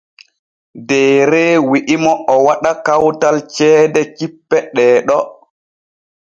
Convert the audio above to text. Deere wi’i mo o waɗa kawtal ceede cippe ɗee ɗo.